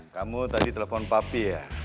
kamu tadi telepon papi ya